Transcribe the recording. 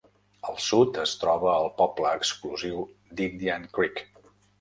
Al sud es troba el poble exclusiu d'Indian Creek.